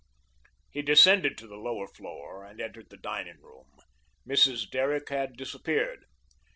He descended to the lower floor and entered the dining room. Mrs. Derrick had disappeared.